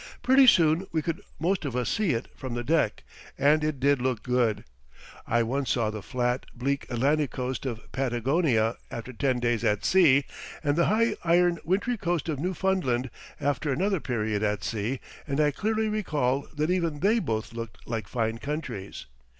Pretty soon we could most of us see it from the deck, and it did look good. I once saw the flat, bleak Atlantic coast of Patagonia after ten days at sea, and the high iron wintry coast of Newfoundland after another period at sea, and I clearly recall that even they both looked like fine countries.